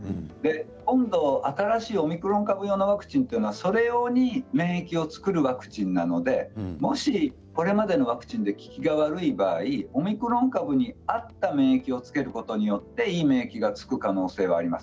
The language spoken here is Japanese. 今度、新しいオミクロン用のワクチンというのはそれ以上に免疫を作るものなのでこれまでのワクチンで効きが悪い場合オミクロン株には合った免疫をつけることによっていい免疫がつく可能性があります。